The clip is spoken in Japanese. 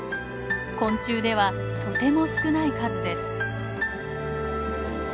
昆虫ではとても少ない数です。